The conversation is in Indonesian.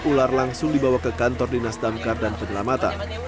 ular langsung dibawa ke kantor dinas damkar dan penyelamatan